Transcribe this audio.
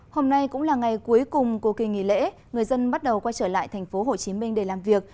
hôm nay cũng là ngày cuối cùng của kỳ nghỉ lễ người dân bắt đầu quay trở lại thành phố hồ chí minh để làm việc